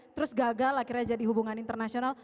terus gagal akhirnya jadi hubungan internasional